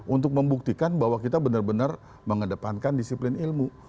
untuk membuktikan bahwa kita benar benar mengedepankan disiplin ilmu